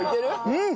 うん！